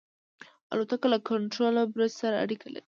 الوتکه له کنټرول برج سره اړیکه لري.